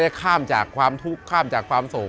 ข้ามจากความทุกข์ข้ามจากความสุข